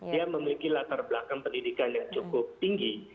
dia memiliki latar belakang pendidikan yang cukup tinggi